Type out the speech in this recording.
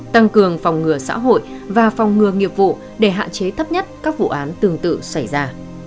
tăng cường phòng ngừa xã hội và phòng ngừa nghiệp vụ để hạn chế thấp nhất các vụ án tương tự xảy ra